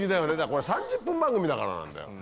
これ３０分番組だからなんだよ。